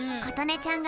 ちゃんがね